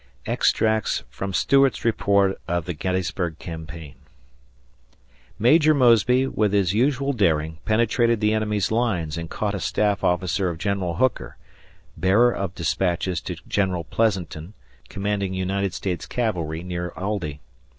[Extracts from Stuart's Report of the Gettysburg Campaign] Maj. Mosby, with his usual daring, penetrated the enemy's lines and caught a staff officer of Gen. Hooker bearer of despatches to Gen. Pleasanton, commanding United States cavalry near Aldie.